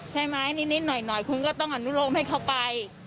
ใช่ไหมนิดหน่อยคุณก็ต้องอนุโลมให้เขาไป